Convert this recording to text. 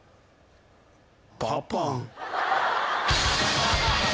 パパン。